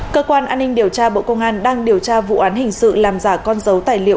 cơ quan an ninh điều tra bộ công an đang điều tra vụ án hình sự làm giả con dấu tài liệu